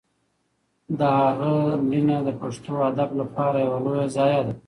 د هغه مړینه د پښتو ادب لپاره یوه لویه ضایعه ده.